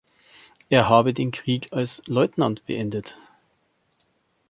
Er habe den Krieg als Leutnant beendet.